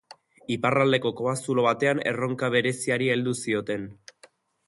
Iparraldeko kobazulo batean erronka bereziari heldu zioten.